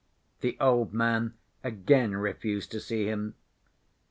The old man again refused to see him.